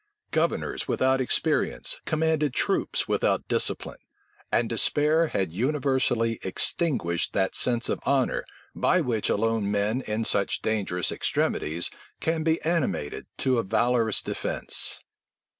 Governors without experience commanded troops without discipline; and despair had universally extinguished that sense of honor, by which alone men in such dangerous extremities can be animated to a valorous defence.